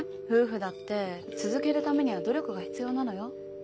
夫婦だって続けるためには努力が必要なのよ